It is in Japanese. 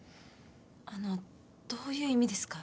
あのどういう意味ですか？